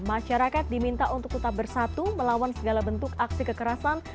masyarakat diminta untuk tetap bersatu melawan segala bentuk aksi kekerasan